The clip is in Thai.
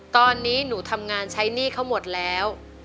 ตอนนี้หนูทำงานใช้หนี้เขาหมดแล้ว